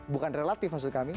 bukan relatif maksud kami